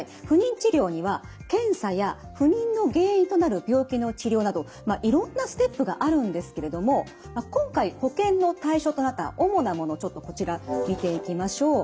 不妊治療には検査や不妊の原因となる病気の治療などいろんなステップがあるんですけれども今回保険の対象となった主なものちょっとこちら見ていきましょう。